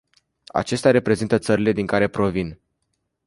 Aceștia reprezintă țările din care provin.